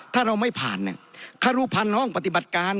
ถ้าเราไม่ผ่านคารุพันธ์ห้องปฏิบัติการ